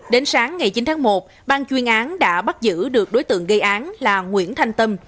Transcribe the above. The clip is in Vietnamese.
đến sáng ngày chín tháng một bang chuyên án đã bắt giữ được đối tượng gây án là nguyễn thanh tâm